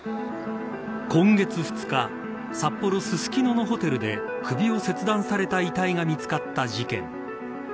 今月２日札幌ススキノのホテルで首を切断された遺体が見つかった事件。